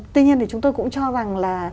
tuy nhiên thì chúng tôi cũng cho rằng là